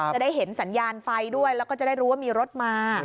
จะได้เห็นสัญญาณไฟด้วยแล้วก็จะได้รู้ว่ามีรถมา